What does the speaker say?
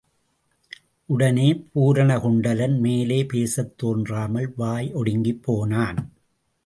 உடனே பூரணகுண்டலன் மேலே பேசத் தோன்றாமல் வாய் ஒடுங்கிப் போனான்.